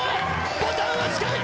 ボタンは近い！